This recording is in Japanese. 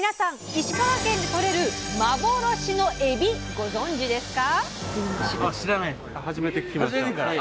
石川県でとれる幻のエビご存じですか？